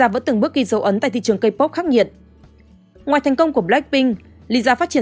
bên cạnh g dragon iu psy